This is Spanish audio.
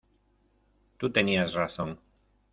Tú tenías razón.